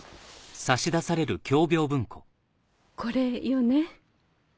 これよね？